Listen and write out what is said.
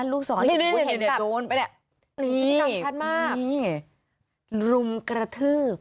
ลูกสองนี่นี่นี่เดี๋ยวโดนไปเนี่ยนี่นี่นี่รุมกระทืบ